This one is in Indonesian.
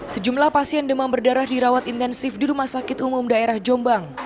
sejumlah pasien demam berdarah dirawat intensif di rumah sakit umum daerah jombang